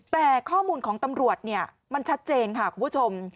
แต่ข้อมูลของตำรวจมันชัดเจนค่ะคุณผู้ชม